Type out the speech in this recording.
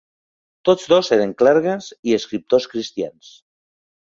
Tots dos eren clergues i escriptors cristians.